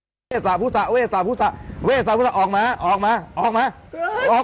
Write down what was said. ได้เข้าสิงพระต้องพึ่งคนมาไล่ผีออกจากพระครับแต่เดี๋ยวนี้มันไม่ธรรมดาผีมันแกกะ